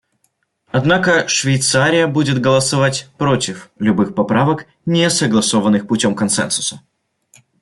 Однако Швейцария будет голосовать против любых поправок, не согласованных путем консенсуса.